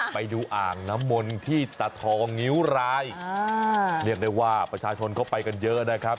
ไปดูอ่างน้ำมนที่ตาทองงิ้วรายเรียกได้ว่าประชาชนเขาไปกันเยอะนะครับ